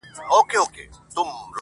په دې سپي کي کمالونه معلومېږي-